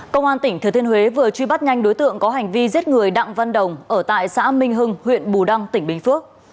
công an tỉnh thừa thiên huế vừa truy bắt nhanh đối tượng có hành vi giết người đặng văn đồng ở tại xã minh hưng huyện bù đăng tỉnh bình phước